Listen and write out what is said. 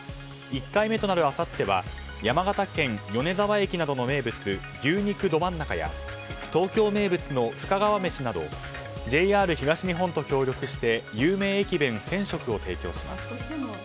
１回目となるあさっては山形県米沢駅などの名物牛肉どまん中や東京名物の深川めしなどＪＲ東日本と協力して有名駅弁１０００食分を提供します。